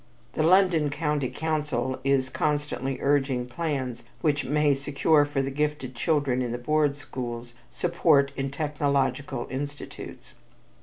The London County Council is constantly urging plans which may secure for the gifted children in the Board Schools support in Technological institutes.